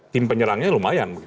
tim penyerangnya lumayan